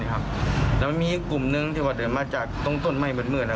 แล้วมันมีกลุ่มนึงที่ว่าเดินมาจากตรงต้นไหม้เหมือนมืด